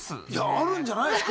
あるんじゃないですか？